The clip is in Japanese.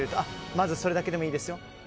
まずそれだけでもいいですよ。